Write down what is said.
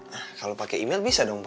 nah kalau pake email bisa dong pa